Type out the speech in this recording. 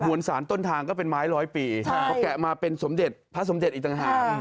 วนสารต้นทางก็เป็นไม้ร้อยปีพอแกะมาเป็นสมเด็จพระสมเด็จอีกต่างหาก